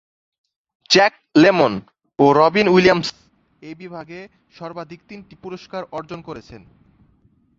Jack Lemmon ও Robin Williams এই বিভাগে সর্বাধিক তিনটি পুরস্কার অর্জন করেছেন।